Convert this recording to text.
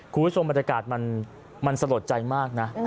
คุณผู้ชมบรรยากาศมันสลดใจมากนะ